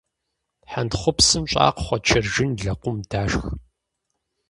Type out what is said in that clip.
Хьэнтхъупсым щӀакхъуэ, чыржын, лэкъум дашх.